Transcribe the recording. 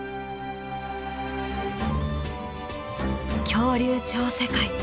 「恐竜超世界」。